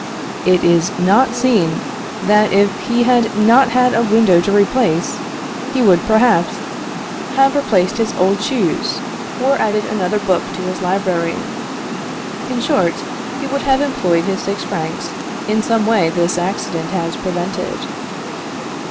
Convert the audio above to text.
It is not seen that if he had not had a window to replace, he would, perhaps, have replaced his old shoes, or added another book to his library. In short, he would have employed his six francs in some way which this accident has prevented.